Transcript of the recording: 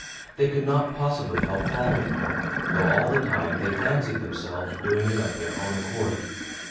They could not possibly help following her, though all the time they fancied themselves doing it of their own accord.